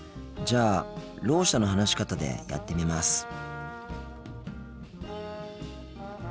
じゃあろう者の話し方でやってみます。